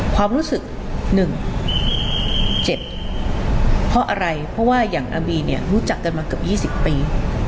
ความรู้สึก๑เจ็บเพราะอะไรเพราะว่าอย่างอาบีเนี่ยรู้จักกันมาเกือบ๒๐ปี